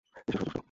এই শিশুরা দুষ্টু।